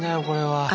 これは。